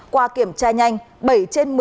qua kiểm tra nhanh bảy trên một mươi một